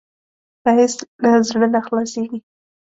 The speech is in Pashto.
ښایست له زړه نه خلاصېږي